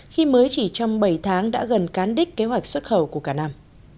khi mới chỉ trong bảy tháng đã gần cán đích kế hoạch xuất khẩu của cả năm